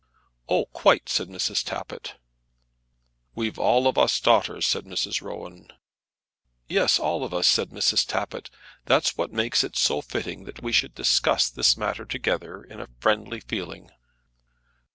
"Oh, quite," said Mrs. Tappitt. "We've all of us daughters," said Mrs. Rowan. "Yes, all of us," said Mrs. Tappitt. "That's what makes it so fitting that we should discuss this matter together in a friendly feeling."